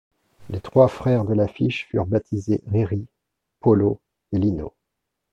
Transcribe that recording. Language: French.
Les trois frères de l'affiche furent baptisés Riri, Polo et Lino.